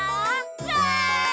わい！